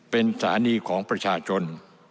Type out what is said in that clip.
เป็นสถานีของประชาชน